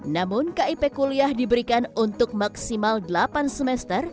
namun kip kuliah diberikan untuk maksimal delapan semester